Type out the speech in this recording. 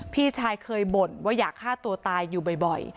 พี่ชายเคยบ่นว่าอยากฆ่าตัวตายอยู่บ่อย